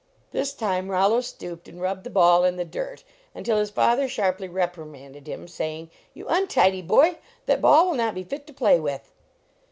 This time Rollo stooped and rubbed the ball in the dirt until his father sharply repri manded him, saying, " You untidy boy; that ball will not be fit to play with!"